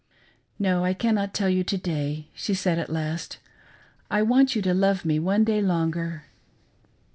"No: I cannot tell you to day," she said at last, " I want you to love me one day longer."